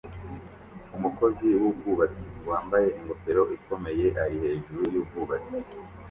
Umukozi wubwubatsi wambaye ingofero ikomeye ari hejuru yubwubatsi